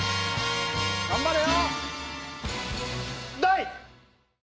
頑張れよ！